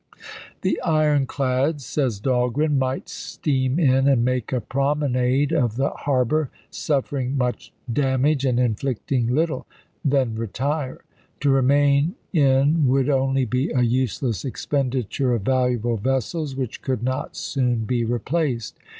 " The ironclads," says Dahlgren, " might steam in and make a promenade of the harbor, suffering much damage and inflicting little, then committee retire. To remain in would only be a useless SSfwar! expenditure of valuable vessels, which could not vol. iil soon be replaced."